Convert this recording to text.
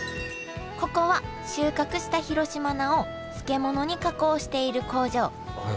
ここは収穫した広島菜を漬物に加工している工場。